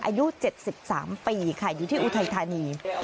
อายุ๗๓ปีค่ะอยู่ที่อุทัยธานี